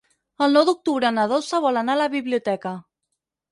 El nou d'octubre na Dolça vol anar a la biblioteca.